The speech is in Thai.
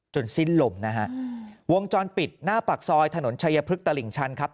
สิ้นลมนะฮะวงจรปิดหน้าปากซอยถนนชัยพฤกษลิ่งชันครับ